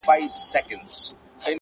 له آوازه به یې ویښ ویده وطن سي!!